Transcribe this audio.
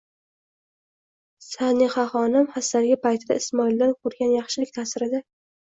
Sanihaxonim xastaligi paytida Ismoildan ko'rgan yaxshilik ta'sirida